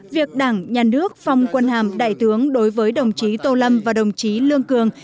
việc đảng nhà nước phong quân hàm đại tướng đối với đồng chí tô lâm và đồng chí lương cường